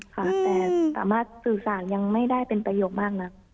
ค่ะแต่สามารถสื่อสารยังไม่ได้เป็นประโยคมากนัก